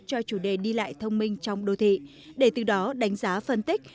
cho chủ đề đi lại thông minh trong đô thị để từ đó đánh giá phân tích